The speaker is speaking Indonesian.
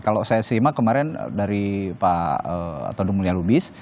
kalau saya simak kemarin dari pak todung mulya lubis